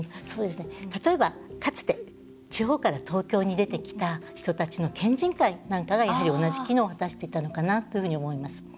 例えば、かつて地方から東京に出てきた人たちの県人会なんかが、やはり同じ機能を果たしていたのかなというふうに思います。